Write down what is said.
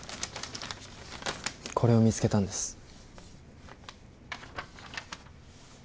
これを見つけたんです。